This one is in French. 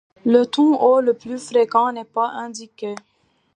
Le ton haut, le plus fréquent, n’est pas indiqué.